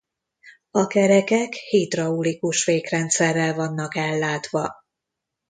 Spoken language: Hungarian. A kerekek hidraulikus fékrendszerrel vannak ellátva.